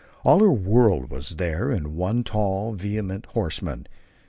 All her world was there in one tall, vehement horseman.